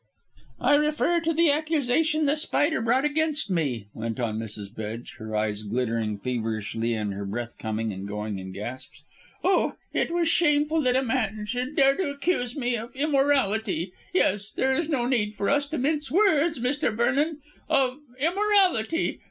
"I refer to the accusation The Spider brought against me," went on Mrs. Bedge, her eyes glittering feverishly and her breath coming and going in gasps. "Oh, it was shameful that a man should dare to accuse me of immorality yes, there is no need for us to mince words, Mr. Vernon of immorality.